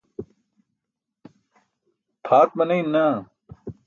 pʰaat maneyin naa